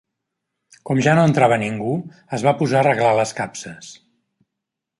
Com ja no entrava ningú, es va posar a arreglar les capses